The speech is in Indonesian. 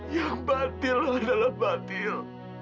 yang batil adalah batil